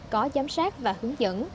có giám sát và hướng dẫn